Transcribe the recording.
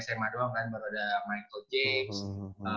sma doang kan baru ada michael james